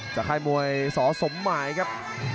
ค่ายมวยสสมหมายครับ